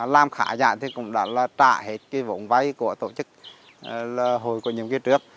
làm khá giả thì cũng đã là trả hết cái vốn vay của tổ chức hồi của những cái trước